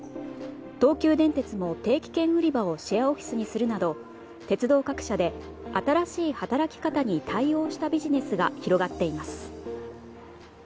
東急電鉄も定期券売り場をシェアオフィスにするなど鉄道各社で新しい働き方に対応したビジネスが広がっています。